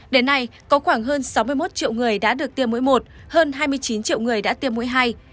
đến nay có khoảng hơn sáu mươi một triệu người đã được tiêm mỗi một hơn hai mươi chín triệu người đã tiêm mũi hai